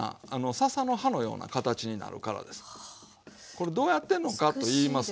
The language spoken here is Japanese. これどうやってんのかっていいますと。